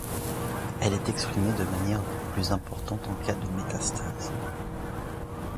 Elle est exprimée de manière plus importante en cas de métastases.